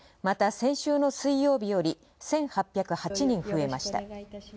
また、先週の水曜日より１８０８人増えました。